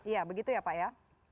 ya begitu ya pak ya